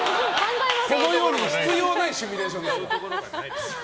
この世に必要ないシミュレーション。